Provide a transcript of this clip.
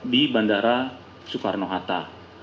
di bandara soekarno hatta